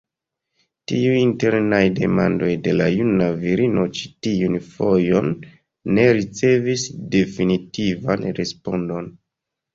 Tiuj internaj demandoj de la juna virino ĉi tiun fojon ne ricevis definitivan respondon.